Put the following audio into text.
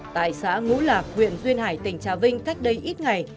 tại xã ngũ lạc huyện duyên hải tỉnh trà vinh cách đây ít ngày